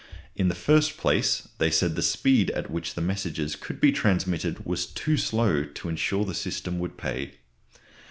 In the first place, they said, the speed at which the messages could be transmitted was too slow to insure that the system would pay.